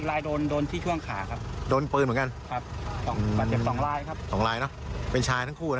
๒ลายเป็นชายทั้งคู่นะคะ